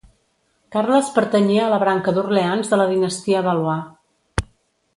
Carles pertanyia a la branca d'Orleans de la dinastia Valois.